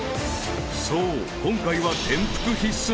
［そう今回は］